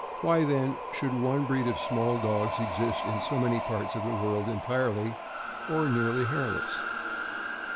Why, then, should one breed of small dogs exist in so many parts of the world entirely or nearly hairless?